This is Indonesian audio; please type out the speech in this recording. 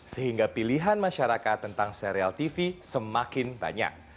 sehingga pilihan masyarakat tentang serial tv semakin banyak